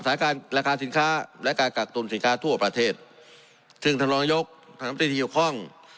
สถานการณ์ราคาสินค้าและการกักตุลสินค้าทั่วประเทศถึงธรรมยกษ์ธรรมที่ที่อยู่ข้อง